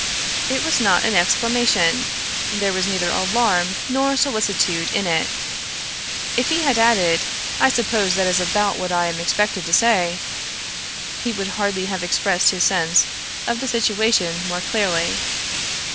It was not an exclamation ; there was neither alarm nor solicitude in it. If he had added: *' I suppose that is about what I am expected to say," he would hardly have expressed his sense of the situation more clearly.